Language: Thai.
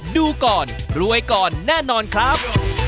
ดูก่อนรวยก่อนแน่นอนครับ